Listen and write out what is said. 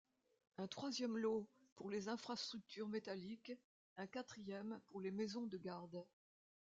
Un troisième lot pour les infrastructures métalliques, un quatrième pour les maisons de garde.